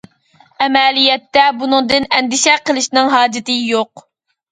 ئەمەلىيەتتە بۇنىڭدىن ئەندىشە قىلىشنىڭ ھاجىتى يوق.